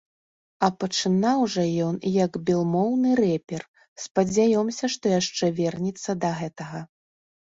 А пачынаў жа ён як белмоўны рэпер, спадзяёмся, што яшчэ вернецца да гэтага.